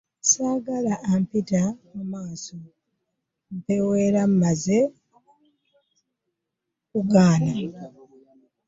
Sagala ampita mumaaso mpeweera omaze kugaana .